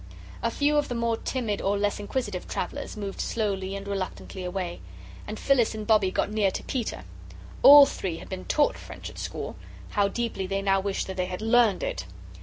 A few of the more timid or less inquisitive travellers moved slowly and reluctantly away. And Phyllis and Bobbie got near to Peter. All three had been TAUGHT French at school. How deeply they now wished that they had LEARNED it!